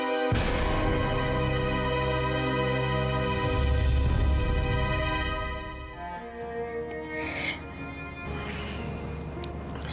kamu belum sampai